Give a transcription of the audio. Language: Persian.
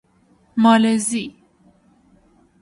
مالزی